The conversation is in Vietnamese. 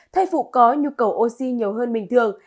thai phụ có nhu cầu oxy nhiều hơn bình thường